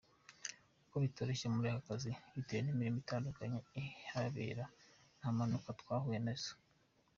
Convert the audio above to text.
Ko bitoroshye muri aka kazi bitewe n’imirimo itandukanye ihabera, nta mpanuka mwahuye nazo?.